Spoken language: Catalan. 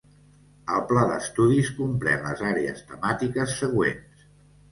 El pla d'estudis comprèn les àrees temàtiques següents.